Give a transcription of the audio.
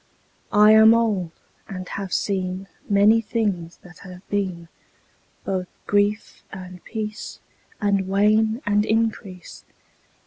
I am old and have seen Many things that have been; Both grief and peace And wane and increase.